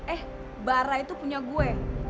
eh bara itu punya gue